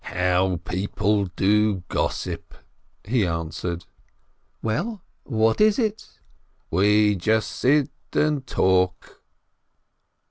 "How people do gossip !" he answered. "Well, what is it?" "We just sit and talk!"